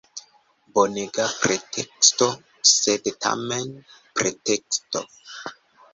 Bonega preteksto — sed tamen preteksto.